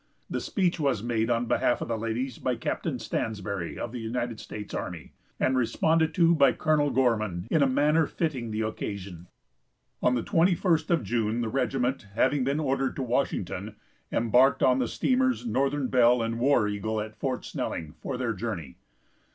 The speech was made on behalf of the ladies by Captain Stansbury of the United States army, and responded to by Colonel Gorman in a manner fitting the occasion. On the 21st of June the regiment, having been ordered to Washington, embarked on the steamers, Northern Belle and War Eagle, at Fort Snelling, for their journey.